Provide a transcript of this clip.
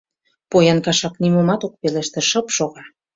Поян кашак нимомат ок пелеште, шы-ып шога.